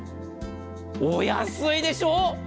お安いでしょう。